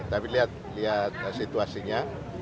tapi lihat situasinya